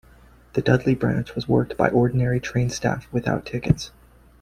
The Dudley branch was worked by Ordinary Train Staff, without tickets.